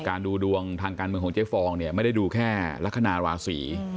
ดูดวงทางการเมืองของเจ๊ฟองเนี่ยไม่ได้ดูแค่ลักษณะราศี